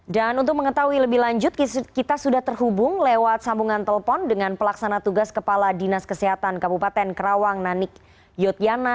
dan untuk mengetahui lebih lanjut kita sudah terhubung lewat sambungan telpon dengan pelaksana tugas kepala dinas kesehatan kabupaten kerawang nanik yudhyana